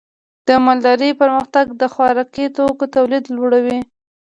د مالدارۍ پرمختګ د خوراکي توکو تولید لوړوي.